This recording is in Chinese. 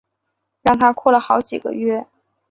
让她哭了好几个月